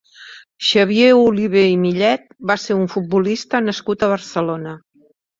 Xavier Olivé i Millet va ser un futbolista nascut a Barcelona.